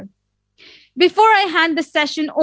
sebelum saya memberikan sesi ini